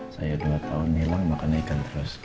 saya dua tahun hilang makan ikan terus